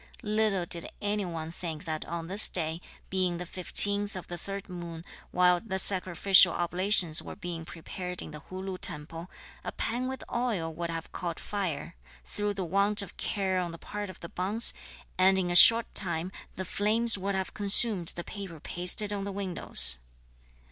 Little did any one think that on this day, being the 15th of the 3rd moon, while the sacrificial oblations were being prepared in the Hu Lu temple, a pan with oil would have caught fire, through the want of care on the part of the bonze, and that in a short time the flames would have consumed the paper pasted on the windows.